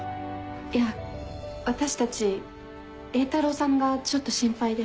いや私たち榮太郎さんがちょっと心配で。